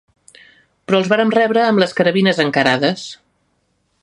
… però els vàrem rebre amb les carabines encarades.